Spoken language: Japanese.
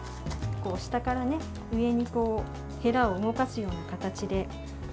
下から上にへらを動かすような形で。